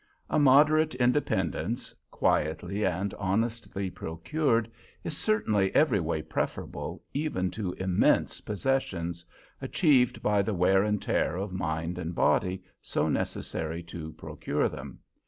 A moderate independence, quietly and honestly procured, is certainly every way preferable even to immense possessions achieved by the wear and tear of mind and body so necessary to procure them.